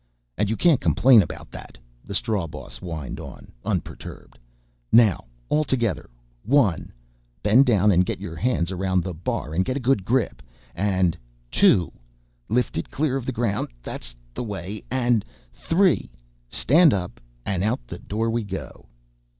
"... And you can't complain about that," the strawboss whined on, unperturbed. "Now altogether ... one ... bend down and get your hands around the bar, get a good grip and ... two ... lift it clear of the ground, that's the way. And ... three ... stand up and out the door we go."